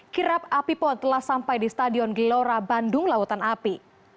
kirap api pon telah sampai di stadion gelora bandung lautan api